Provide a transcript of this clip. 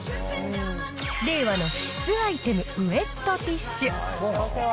令和の必須アイテム、ウエットティッシュ。